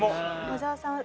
小澤さん